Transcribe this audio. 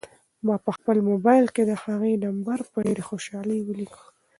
ما په خپل موبایل کې د هغې نمبر په ډېرې خوشحالۍ ولیکه.